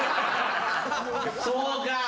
そうか。